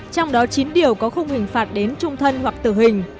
trong đó chín điều có khung hình phạt đến trung thân hoặc tử hình